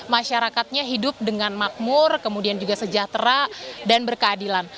masyarakatnya hidup dengan makmur kemudian juga sejahtera dan berkeadilan